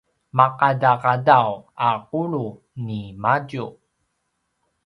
maqadaqadaw a qulu ni madju